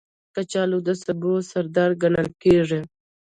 کچالو د سبو سردار ګڼل کېږي